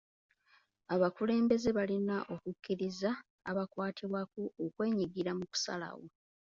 Abakulembeze balina okukkiriza abakwatibwako okwenyigira mu kusalawo.